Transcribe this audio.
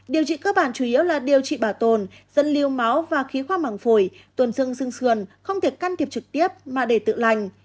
điều trị cơ bản chủ yếu là điều trị bả tồn dân lưu máu và khí khoa mảng phổi tổn dưng sừng sườn không thể can thiệp trực tiếp mà để tự lành